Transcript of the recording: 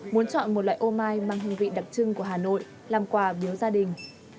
muốn chọn một loại ô mai mang hương vị đặc trưng của hà nội làm quà biếu gia đình